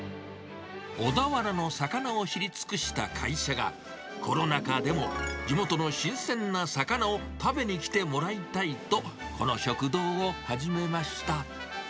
小田原の魚を知り尽くした会社が、コロナ禍でも、地元の新鮮な魚を食べに来てもらいたいと、この食堂を始めました。